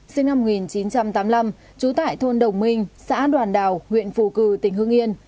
sinh năm một nghìn chín trăm tám mươi năm trú tại thôn đồng minh xã đoàn đào huyện phù cử tỉnh hưng yên